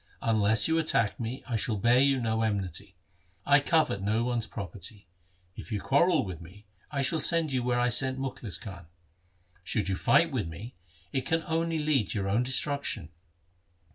Unless you attack me I shall bear you no enmity. I covet no one's property. If you quarrel with me I shall send you where I sent Mukhlis Khan. Should you fight with me, it can only lead to your own destruction.